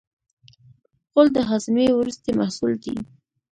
غول د هاضمې وروستی محصول دی.